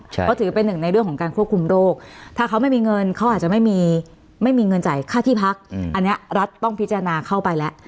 เพราะถือเป็นหนึ่งในเรื่องของการควบคุมโรคถ้าเขาไม่มีเงินเขาอาจจะไม่มีไม่มีเงินจ่ายค่าที่พักอันนี้รัฐต้องพิจารณาเข้าไปแล้ว